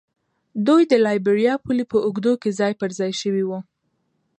دوی د لایبیریا پولې په اوږدو کې ځای پر ځای شوي وو.